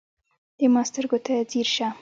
د ما سترګو ته ځیر شه